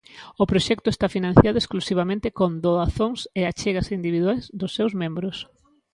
O proxecto está financiado exclusivamente con doazóns e achegas individuais dos seus membros.